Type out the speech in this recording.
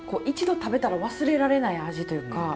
一度食べたら忘れられない味というか。